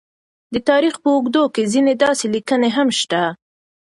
د تاریخ په اوږدو کې ځینې داسې لیکنې هم شته،